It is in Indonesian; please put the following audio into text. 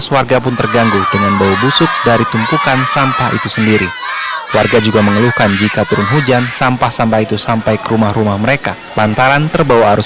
waktu itu sampah itu tidak pernah diangkut oleh petugas di tempat itu